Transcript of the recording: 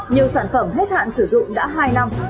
nhiều sản phẩm hết hạn sử dụng đã hai năm